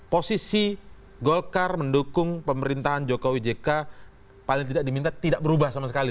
posisi golkar mendukung pemerintahan jokowi jk paling tidak diminta tidak berubah sama sekali